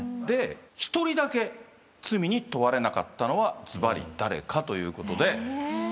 で一人だけ罪に問われなかったのはずばり誰かということで。